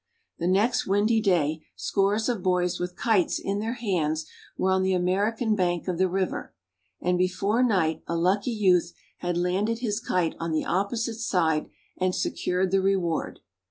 The next windy day, scores of boys with kites in their hands were on the American bank of the river, and before night a lucky youth had landed his kite on the opposite side, and secured the reward.